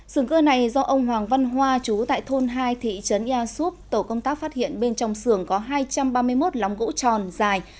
sườn cưa này do ông hoàng văn hoa chú tại thôn hai thị trấn ia súp tổ công tác phát hiện bên trong xưởng có hai trăm ba mươi một lóng gỗ tròn dài